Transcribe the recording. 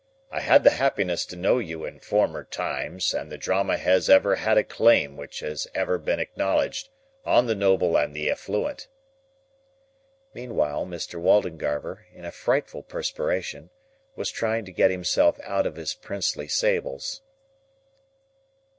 I had the happiness to know you in former times, and the Drama has ever had a claim which has ever been acknowledged, on the noble and the affluent." Meanwhile, Mr. Waldengarver, in a frightful perspiration, was trying to get himself out of his princely sables.